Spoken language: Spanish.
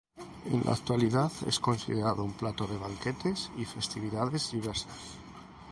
En la actualidad es considerado un plato de banquetes y festividades diversas.